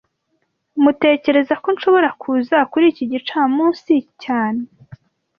Tmutekereza ko nshobora kuza kuri iki gicamunsi cyane